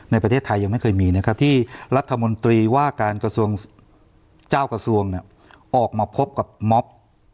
ในประเทศไทยยังไม่เคยมีที่รัฐมนตรีว่าการเจ้ากระทรวงออกมาพบกับม็อบ